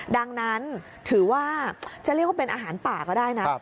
ดังนั้นถือว่าจะเรียกว่าเป็นอาหารป่าก็ได้นะ